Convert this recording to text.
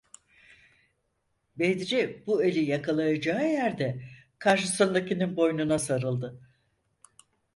Bedri bu eli yakalayacağı yerde karşısındakinin boynuna sarıldı.